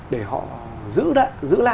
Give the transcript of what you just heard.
để họ giữ lại